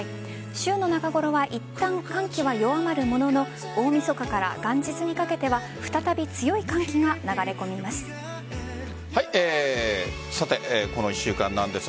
週のなかごろはいったん寒気は弱まるものの大晦日から元日にかけては再び強い寒気が流れ込みます。